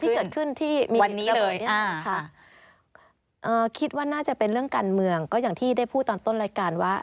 ที่เกิดขึ้นที่มีวันนี้เลยเนี่ยนะคะคิดว่าน่าจะเป็นเรื่องการเมืองก็อย่างที่ได้พูดตอนต้นรายการว่า